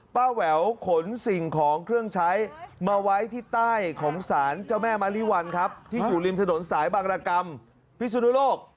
แหววขนสิ่งของเครื่องใช้มาไว้ที่ใต้ของสารเจ้าแม่มะลิวันครับที่อยู่ริมถนนสายบางรกรรมพิสุนุโลก